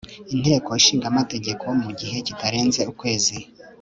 inteko ishinga amategeko mu gihe kitarenze ukwezi